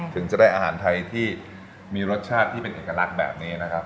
ถึงจะได้อาหารไทยที่มีรสชาติที่เป็นเอกลักษณ์แบบนี้นะครับ